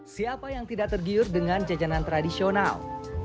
siapa yang tidak tergiur dengan jajanan tradisional